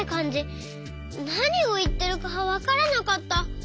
なにをいってるかわからなかった。